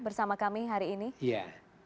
bersama kami hari ini ya